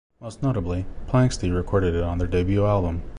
Most notably, Planxty recorded it on their debut album.